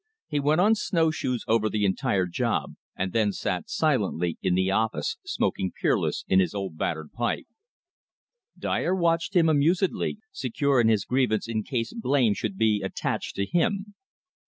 He went on snowshoes over the entire job; and then sat silently in the office smoking "Peerless" in his battered old pipe. Dyer watched him amusedly, secure in his grievance in case blame should be attached to him.